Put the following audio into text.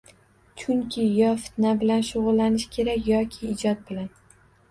Chunki yo fitna bilan shug‘ullanish kerak, yoki ijod bilan.